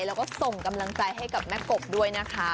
แล้วก็ส่งกำลังใจให้กับแม่กบด้วยนะคะ